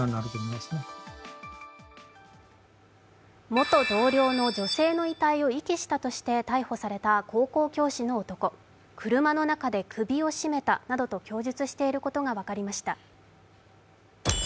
元同僚の女性の遺体を遺棄したとして逮捕された高校教師の男車の中で首を絞めたなどと供述していることが分かりました。